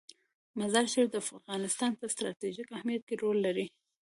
مزارشریف د افغانستان په ستراتیژیک اهمیت کې رول لري.